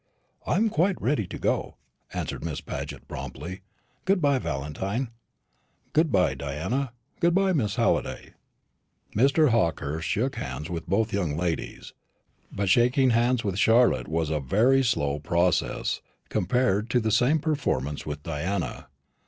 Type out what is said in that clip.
"I am quite ready to go," answered Miss Paget promptly. "Good bye, Valentine." "Good bye, Diana; good bye, Miss Halliday." Mr. Hawkehurst shook hands with both young ladies; but shaking hands with Charlotte was a very slow process compared to the same performance with Diana.